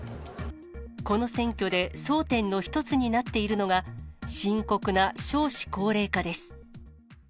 この選挙で争点の一つになっているのが、深刻な少子高齢化です。